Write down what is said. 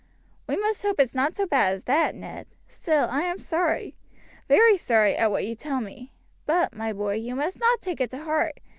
"We must hope it's not so bad as that, Ned; still, I am sorry very sorry, at what you tell me; but, my boy, you must not take it to heart.